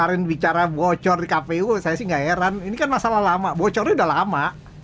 ini kan masalah lama bocornya udah lama